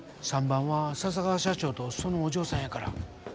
３番は笹川社長とそのお嬢さんやから。